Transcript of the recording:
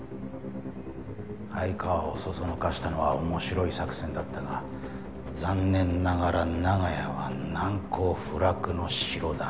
相川を唆したのは面白い作戦だったが残念ながら長屋は難攻不落の城だ。